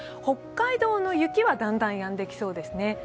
北海道の雪はだんだんやんできそうですね。